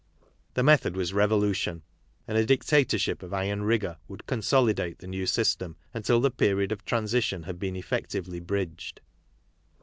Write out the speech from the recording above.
The method was revolution, and a dicta torship of iron rigour would consolidate the new system until the period of transition had been effectively; bridged.